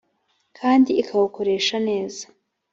kandi ikawukoresha neza